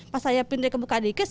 pas saya pindah ke bukadike